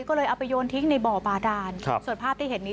ก็เลยเอาไปโยนทิ้งในบ่อบาดานส่วนภาพที่เห็นนี้